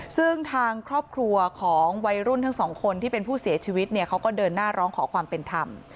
ซึ่งทางครอบครัวของวัยรุ่นทั้งสองคนที่เป็นผู้เสียชีวิตเนี่ยเขาก็เดินหน้าร้องขอความเป็นธรรม